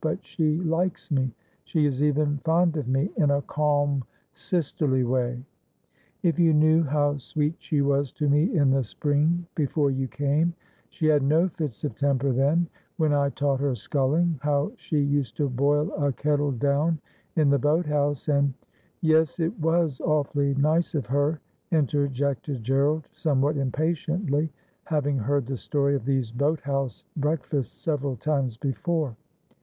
But she likes jne — she is even fond of me ; in a calm sisterly way. If you 166 Asphodel. knew how sweet she was to me in the spring before you came — she had no fits of temper then — when I taught her sculling ; how she used to' boil a kettle down in the boat house and ' 'Yes; it was awfully nice of her,' interjected Gerald some what impatiently, having heard the story of these boat house breakfasts several times before.